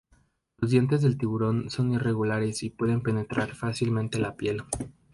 Los dientes del tiburón son irregulares y pueden penetrar fácilmente la piel.